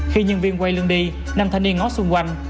khi nhân viên quay lưng đi nam thanh niên ngó xung quanh